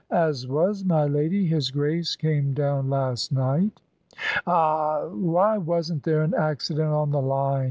"As was, my lady. His Grace came down last night." "Augh! Why wasn't there an accident on the line?"